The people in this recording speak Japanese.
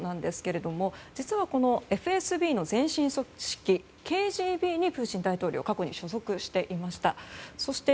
実はＦＳＢの前身組織のＫＧＢにプーチン大統領は過去に所属していました。